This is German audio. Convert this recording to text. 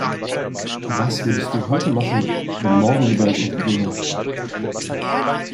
Was würdest du heute machen, wenn morgen die Welt unterginge?